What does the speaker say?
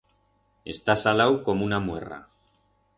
Está salau como una muerra.